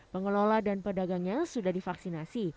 pengelola dan pedagangnya sudah divaksinasi